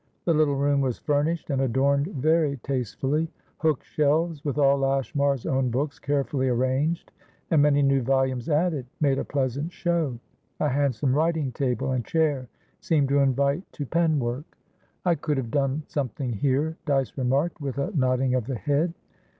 The little room was furnished and adorned very tastefully; hook shelves, with all Lashmar's own books carefully arranged, and many new volumes added, made a pleasant show; a handsome writing table and chair seemed to invite to penwork. "I could have done something here," Dyce remarked, with a nodding of the head.